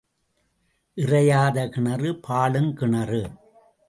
இறையாத கிணறு பாழும் கிணறு.